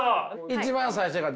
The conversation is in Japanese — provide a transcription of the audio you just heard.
一番最初が。